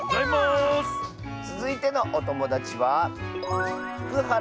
つづいてのおともだちは。